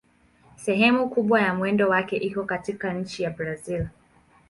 Sehemu kubwa ya mwendo wake iko katika nchi ya Brazil.